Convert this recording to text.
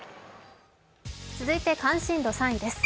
続いて関心度３位です。